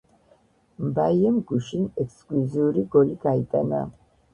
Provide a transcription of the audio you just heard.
მბაიემ გუშინ ექსკლუზიური გოლი გაიტანა